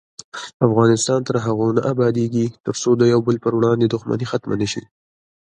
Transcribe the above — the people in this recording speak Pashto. افغانستان تر هغو نه ابادیږي، ترڅو د یو بل پر وړاندې دښمني ختمه نشي.